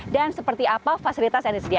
dan seperti apa fasilitas yang disediakan